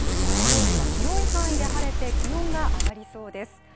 土曜日は広い範囲で晴れて気温が上がりそうです。